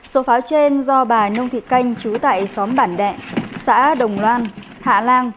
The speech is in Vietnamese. số pháo trên do bà nông thị canh chú tại xóm bản đệ xã đồng loan hạ lan